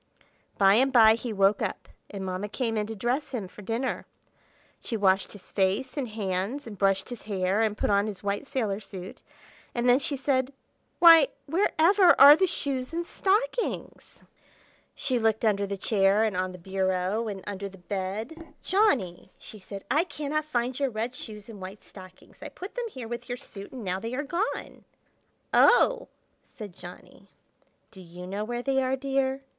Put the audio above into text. By and by he woke up, and Mamma came in to dress him for dinner. She washed his face and hands, and brushed his hair, and put on his white sailor suit; and then she said, "Why, where ever are the shoes and stockings?" She looked under the chair, and on the bureau, and under the bed. "Johnny," she said, "I cannot find your red shoes and white stockings. I put them here with your suit, and now they are gone." "Oh!" said Johnny. "Do you know where they are, dear?"